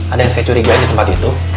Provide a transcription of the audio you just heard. ada yang securi gue di tempat itu